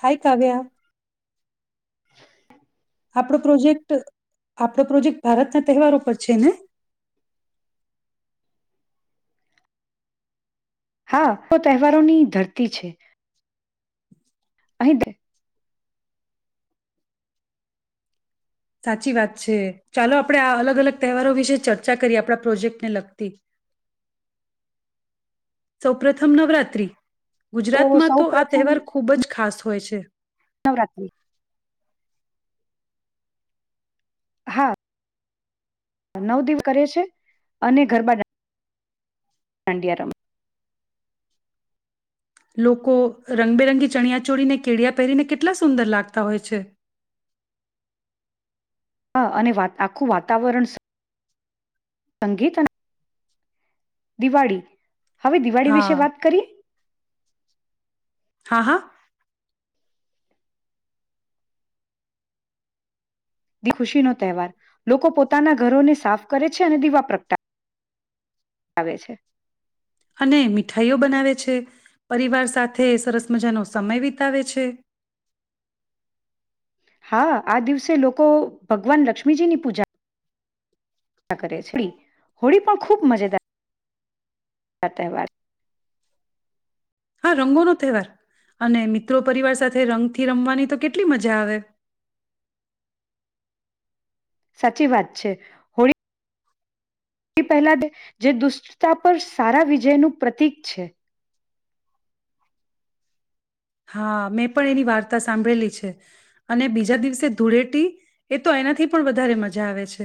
હાય, કાવ્યા. આપ પ્રોજેક્ટ આપ પ્રોજેક્ટ ભારતના તહેવારો પર છે ને? હા તો તહેવારોની ધરતી છે. અહી દે. સાચી વાત છે, ચાલો આપણે આ અલગ અલગ તહેવારો વિશે ચર્ચા કરીએ આપણા પ્રોજેક્ટને લગતી. સૌપથમ નવરાત્રી. ગુજરાતમાં સૌ તો આ પ્રથમ તહેવાર ખૂબ જ ખાસ હોય છે. નવરાત્રી હા, નવ દિવ કરે છે અને ગરબા ગાય. દાંડીયા રમે. લોકો રંગબેરંગી ચણિયા ચોળને કેળિયા પહેરીને કેટલા સુંદર લાગતા હોય છે! હા અને વા આખું વાતાવરણ. સંગીત અને. દિવાળી. હવે દિવાળી હા વિશે વાત કરીએ હા હા દી ખુશીનો તહેવાર લોકો પોતાના ઘરોને સાફ કરે છે અને દીવા પ્રગટાવાવે છે અને મીઠાઈઓ બનાવે છે પરિવાર સાથે સરસ મજાનો સમય વિતાવે છે હા આ દિવસે લોકો ભગવાન લક્ષ્મીજીની પૂજા કરે હો હોળી પણ ખૂબ મજેદાર તહેવાર હા રંગોનો તહેવાર અને મિત્રો પરિવાર સાથે રંગથી રમવાની તો કેટલી મજા આવે સાચી વાત છે હોળી તે પહેલા જે દુષ્ટતા પર સારા વિજયનું પ્રતીિક છે હા મેં પણ એની વાર્તા સાંભળેલી છે અને બીજા દિવસે ધૂળેટી એ તો એનાથી પણ વધારે મજા આવે છે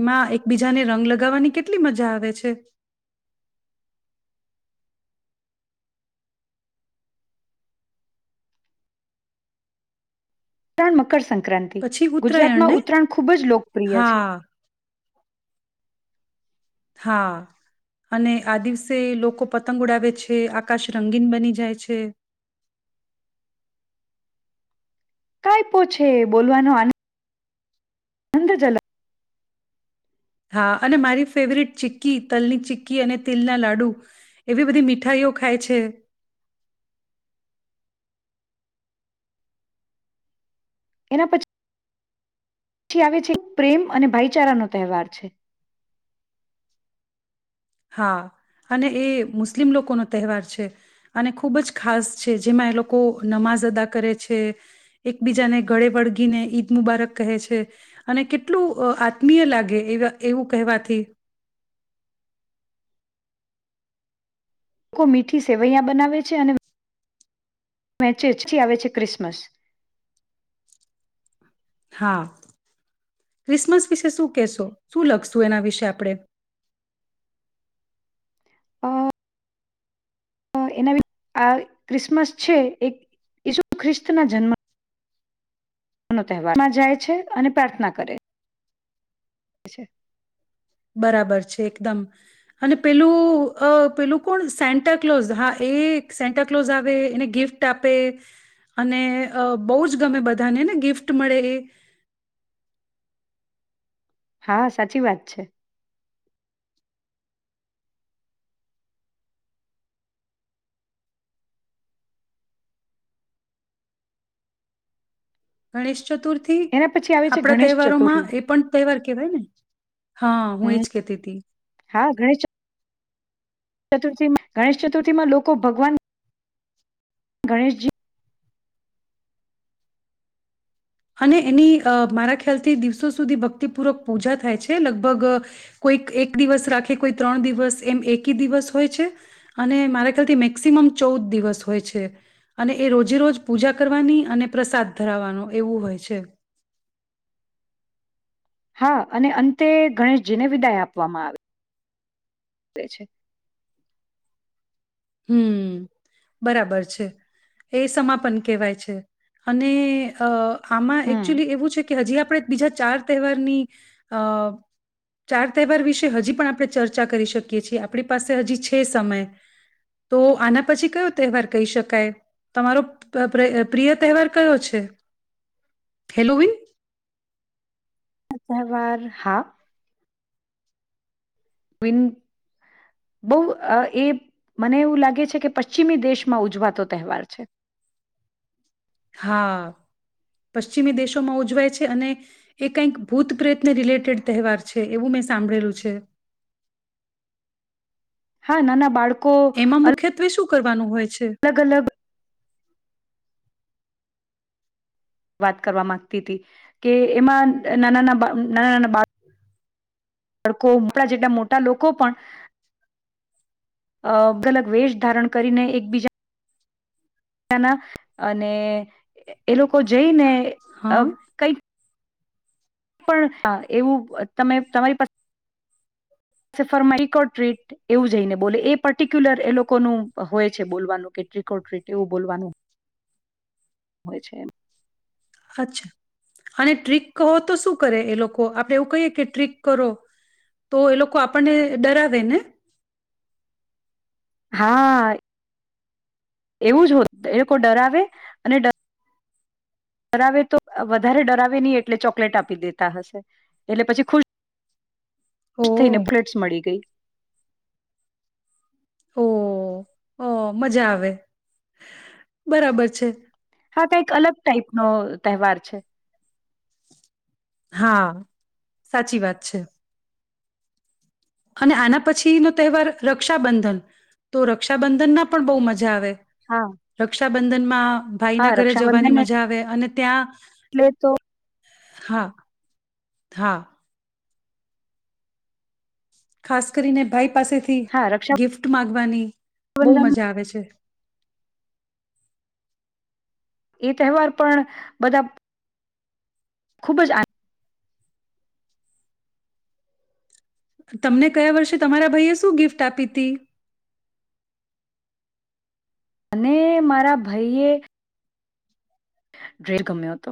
એમાં એકબીજાને રંગ લગાવવાની કેટલી મજા આવે છે ત્રણ મકર સંખ્યા સંક્રાંતિ પછી ઉત્તરાયણ ગુજરાતમાં ને ઉત્તરાયણ ખૂબ જ લોકપ્રિય છે હા હા અને આ દિવસે લોકો પતંગ ઉડાવે છે આકાશ રંગીન બની જાય છે કઈ પો છેે બોલવાનો આનંદ [inaudible] હા અને મારી ફેવરિટ ચિક્કી તલની ચિક્કી અને તિલના લાડુ એવી બધી મીઠાાઈઓ ખાય છે એના પછી પછી આવે છે પ્રેમ અને ભાઈચારાનો તહેવાર છે હા અને એ મુસ્લિમ લોકોનો તહેવાર છે અને ખૂબ જ ખાસ છે જેમાં એ લોકો નમાઝ અદા કરે છે એકબીજાને ગળે વળગીને ઈદ મુબારક કહે છે અને કેટલું આત્મીય લાગે એ એવું કહેવાથી લોકો મીઠી સેવૈયા બનાવે છે અને મેંચેચથી આવે છે ક્રિસમસ હા ક્રિસમસ વિશે શું કહેશો શું લખશું એના વિશે આપણેે અ એના આ ક્રિસમસ છે એક ઈસુ ખ્રિસ્ત ના જન્મ તહેવારમાં જાય છે અને પ્રાર્થના કરે [inaudible] બરાબર છે એકદમ અને પેલું અ પેલું કોણ સેન્ટા કલોઝ હા એ સેન્ટા કલોઝ આવે એને ગિફ્ટ આપે અને બહુ જ ગમે બધાને ને ગિફ્ટ મળે એ હા સાચી વાત છે [inaudible] ચતુર્ થી એના પછી આવે છે આપડા ગણેશ તહેવારો માં ચતુર્થી એ પણ તહેવાર કેહેવાય ને હા હું હમ એજ કેતી હતી ચતુર્થી ગણેશ ચતુર્થીમાં લોકો ભગવાન ગણેશજી અને એની મારા ખ્યાલથી દિવસો સુધી ભક્તિપૂર્વક પૂજા થાય છે લગભગ કોઈક એક દિવસ રાખે કોઈ ત્રણ દિવસ એમ એકી દિવસ હોય છે અને મારા ખ્યાલથી મેક્સિમમ ચૌદ દિવસ હોય છે અને એ રોજે રોજ પૂજા કરવાની અને પ્રસાદ ધરાવવાનો એવું હોય છે હા અને અંતે ગણેશજીને વિદાય આપવામાં આવે છે હમ બરાબર છે એ સમાપન કહેવાય છે અને એ આમાં હમ. એકક્ચ્યુઅલી એવું છે કે હજી આપ આપણે બીજા ચાર તહેવારની ચાર તહેવાર વિશે હજી પણ આપણે ચર્ચા કરી શકીએ છીએ આપણી પાસે હજી છે સમય તો આના પછી કયો તહેવાર કહી શકાય તમારો પ્રિય તહેવાર કયો છે હેલો વિન [inaudible] ન બહુ એ મને એવું લાગે છે કે પશ્ચિમી દેશમાં ઉજવાતો તહેવાર છે હા પશ્ચિમી દેશોમાં ઉજવાય છે અને એ કંઈક ભૂત પ્રયત્ન રિલેટેડ તહેવાર છે એવું મેં સાંભળેલું છે હા ના બાળકો એમાં મુખ્યત્વે શું કરવાનું હોય છે અલગ અલગ વાત કરવા મામાંગતી હતી કે એમાં નાનાના નાના નાના બાળ ડકો ઉપળ જેટલા મોટા લોકો પણ ગલગ વેશ ધારણ કરીને એકબીજાના અને એ લોકો જઈને હા કઈ પણ એવું તમે તમારી પાસે ફ ટટ એવું જઈને બોલે એ પર્ટિક્યુલર એ લોકોનું હોય છે બોલવાનું કે ટ્રિકોર્ડ ટ્રીટ એવું બોલવાનું હોય છે અચ્છા અને ટ્રીિક હોો તો શું કરે એ લોકો આપડે એવું કહીએ કે ટ્રીિક કરો તો એ લોકો આપણને ડરાવે ને હા એવું જ હોત એ લોકો ડરાવે અને ડરાવે તો વધારે ડરાવે નહીિ એટલે ચોકલેટ આપી દેતા હશે એટલે પછી ખુશ ઓ ખુશ થઈને બુલેટ્સ મળી ગઈ ઓ હ મજા આવે બરાબર છે હા કઈક અલગ ટાઈપનોો તહેવાર છે હા સાચી વાત છે અને આના પછી નો તહેવાર રક્ષાબંધન તો રક્ષાબંધન ના પણ બહુ મજા આવે હા રક્ષાબંધનમાં હા ભાઈના ઘરે જવાની રક્ષાબંધન મજા આવે અને ત્યાં એટલે તો હા હા ખાસ કરીને ભાઈ પાસેથી હા રક્ષાબંધન ગિફ્ટ મામાંગવાની બહુ મજા આવે છે એ તહેવાર પણ બધા ખુબ જ આનંદ તમને કયા વર્ષે તમારા ભાઈએ શું ગિફ્ટ આપી હતી અને મારા ભાઈએ ડ્રેર ગમ્યો હતો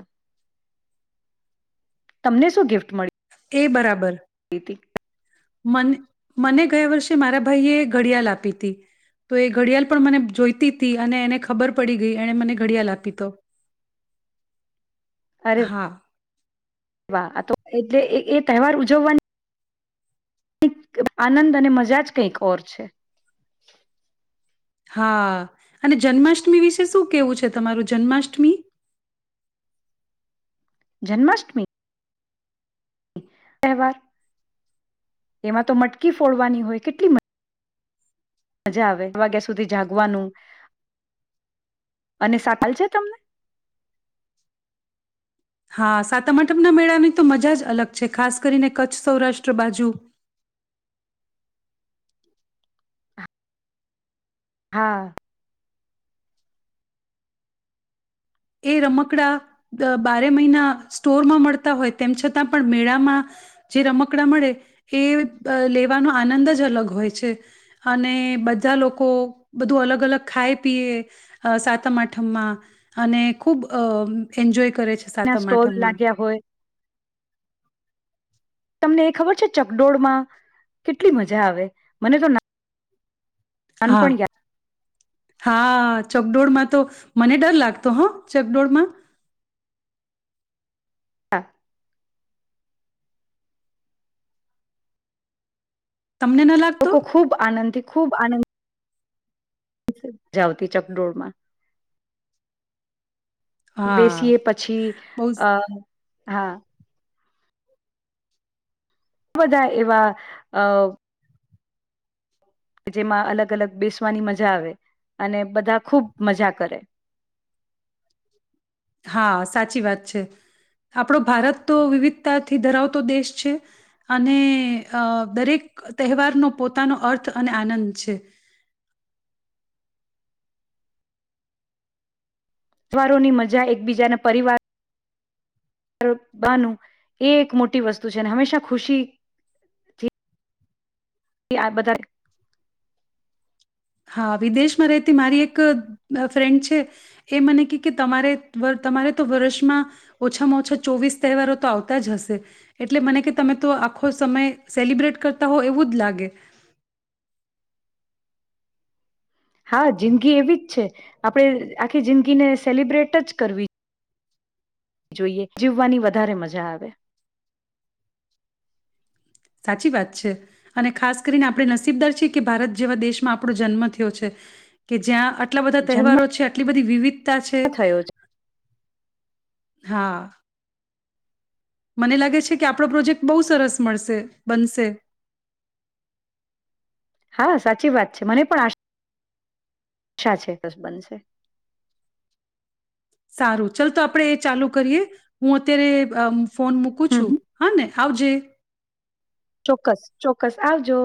તમને શું ગિફ્ટ મળ્યું એ બરાબર ર હતી મ મને ગયા વર્ષે મારા ભાઈએ ઘડિયાલ આપી હતી તો એ ઘડિયાળ પણ મને જોઈતી તી અને એને ખબર પડી ગઈ એને મને ઘડિયાળ આપી તો અરે હા વાહ એટલે એ તહેવાર ઉજવવાની કે આનંદ અને મજા જ કઈક ઓર છે હા અને જન્માષ્ટમી વિશે શું કેવું છે તમારું જન્માષ્ટમી જન્માષ્ટમી તહેવાર એમાં તો મટકી ફોડવાની હોય કેટલી મ મજા આવે એક વાગ્યા સુધી જાગવાનું અને સાકલ છે તમને હા સાતમઠમના મેળાની તો મજા જ અલગ છે ખાસ કરીને કચ્છ સૌરાષ્ટ્ર બાજુ હા એ રમકડા બારે મહિના સ્ટોરમાં મળતા હોય તેમ છતાં પણ મેળામાં જે રમકડાં મળે એ લેવાનો આનંદ જ અલગ હોય છે અને બધા લોકો બધું અલગ અલગ ખાય પીએ સાતમ આઠમમાં અને ખૂબ અ એન્જોય કરે છે ના સાતમ સ્ટોલ આઠમમાં લાગ્યા હોય તમને એ ખબર છે ચકડોળમાં કેટલી મજા આવે મને તો ના હા નાનપણ યા હા ચકડોળમાં તો મને ડર લાગતો હ ચકડોળમાં હા તમને ન લાગતો? લોકો ખુબ આનંદિત ખૂબ આનંદ મજા આવતી ચકડોળમાં હા, બેસીએ પછી બહુ સ અ હા બધાં એવા અ કે જેમાં અલગ અલગ બેસવાની મજા આવે અને બધાં ખૂબ મજા કરે હા સાચી વાત છે. આપણો ભારત તો વિવિધતાથી ધરાવતો દેશ છે. અને અ દરેક તહેવારનો પોતાનો અર્થ અને આનંદ છે તહેવારોની મજા એકબીજાના પરિવાર બાનું એ એક મોટી વસ્તુ છે ને હંમેશા ખુશીથી આ બધાં હા વિદેશમાં રહેતી મારી એક ફ્રેન્ડ છે. એ મને કે કે તમારે તમારે તો વર્ષમાં ઓછામાં ઓછા ચોવીસ તહેવારો તો આવતા જ હશે. એટલે મને કે તમે તો આખો સમય સેલિબ્રેટ કરતા હોવ એવું જ લાગે હા જિંદગી એવી જ છે આપણે આખી જિંદગીને સેલિબ્રેટ જ કરવી જોઈએ. જીવવાની વધારે મજા આવે સાચી વાત છે અને ખાસ કરીને આપણે નસીબદાર છીએ કે ભારત જેવા દેશમાં આપણો જન્મ થયો છે કે જ્યાં આટલા બધા જન્મ તહેવારો છે આટલી બધી વિવિધ તા છે થયો છે હા મને લાગે છે કે આપણો પ્રોજેક્ટ બહુ સરસ મળશે બનશે હા સાચી વાત છે મને પણ આશ સા છે ચોક્ક્સ બનશે સારું ચલ તો આપણે એ ચાલુ કરીએ. હું અત્યારે અમ ફોન મુકું છું. હમ હહ ને આવજે ચોક્કસ ચોક્કસ આવજો